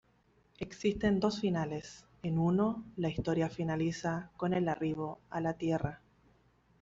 Existen dos finales: en uno, la historia finaliza con el arribo a la Tierra.